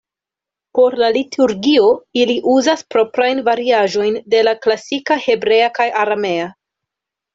Por la liturgio ili uzas proprajn variaĵojn de la klasika Hebrea kaj Aramea.